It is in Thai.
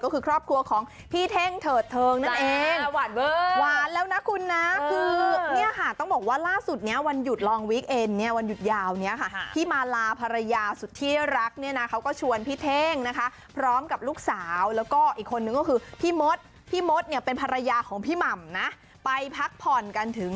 ก็คือครอบครัวของพี่เท่งเถิดเทิงนั่นเอง